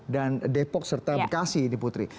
dan depok serta bekasi ini putri